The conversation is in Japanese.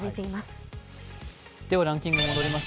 では、ランキングに戻ります。